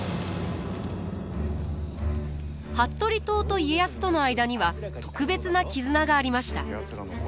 服部党と家康との間には特別な絆がありました。